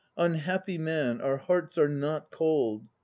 Unhappy man, our hearts are not cold.